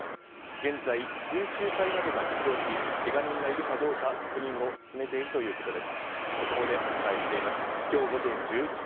現在、救急隊などが出動し、けが人がいるかどうか確認を進めているということです。